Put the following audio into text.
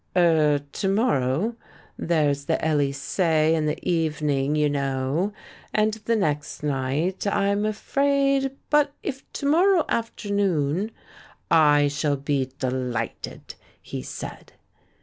"Er — to morrow? There's the Elysee in the evening, you know; and the next night, I'm afraid — But if to morrow afternoon " "I shall be delighted," he said.